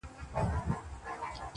پردى تخت نن كه سبا وي د پردو دئ!٫.